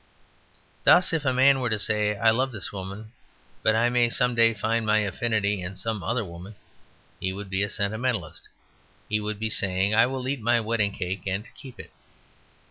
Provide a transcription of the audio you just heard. Thus if a man were to say, "I love this woman, but I may some day find my affinity in some other woman," he would be a Sentimentalist. He would be saying, "I will eat my wedding cake and keep it."